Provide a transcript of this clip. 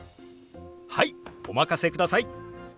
はいお任せください。